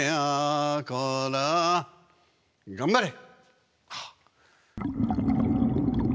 頑張れ！